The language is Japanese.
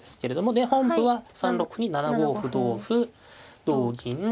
で本譜は３六歩に７五歩同歩同銀。